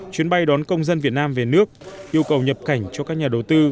chuyến bay đón công dân việt nam về nước yêu cầu nhập cảnh cho các nhà đầu tư